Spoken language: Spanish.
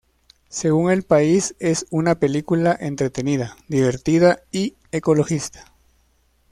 Según El País es una película entretenida, divertida y ecologista.